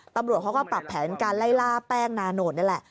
ตำรวจเขาก็ปรับแผนการไล่ล่าแป้งนาโนตนี่แหละ